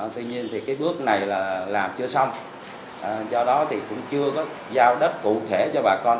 tuy nhiên thì cái bước này là làm chưa xong do đó thì cũng chưa có giao đất cụ thể cho bà con